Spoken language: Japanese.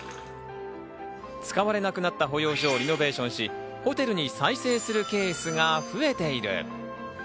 使われなくなった保養所をリノベーションし、ホテルに再生するケースが増えている。